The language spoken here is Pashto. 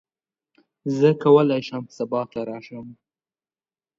زه کولی شم سبا ته راشم.